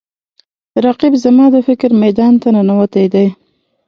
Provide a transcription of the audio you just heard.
رقیب زما د فکر میدان ته ننوتی دی